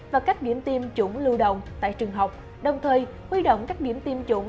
và các điểm tiêm chủng lưu động tại trường học đồng thời huy động các điểm tiêm chủng